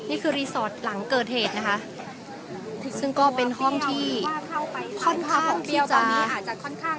นี่คือรีสอร์ทหลังเกิดเหตุนะคะซึ่งก็เป็นห้องที่ค่อนข้างที่จะ